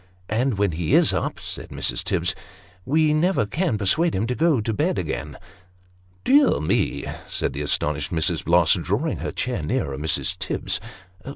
" And when he is up," said Mrs. Tibbs, " we never can persuade him to go to bed again." " Dear me !" said the astonished Mrs. Blosg, drawing her chair nearer Mrs. Tibbs.